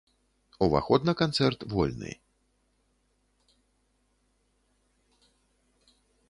Уваход на канцэрт вольны.